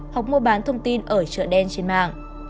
hoặc mua bán thông tin ở chợ đen trên mạng